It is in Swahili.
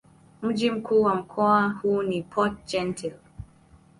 Mji mkuu wa mkoa huu ni Port-Gentil.